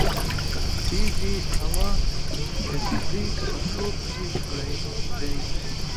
تيزې هوا د کيږدۍ پسول پرې کړی دی